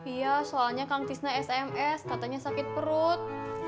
iya soalnya kang tisna sms katanya sakit perut